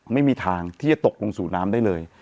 ไม่มีทางที่จะตกลงสู่น้ำได้เลย